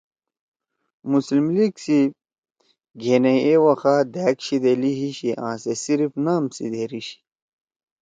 مسلم لیگ سی گھینیئی اے وخا دھأک شیِدیلی ہیِشی آں سے صرف نام سی دھیری شی